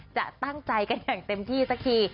จะตั้งใจกันอย่างเต็มที่สักที